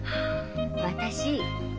私。